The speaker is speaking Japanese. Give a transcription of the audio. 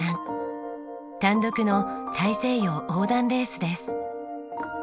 単独の大西洋横断レースです。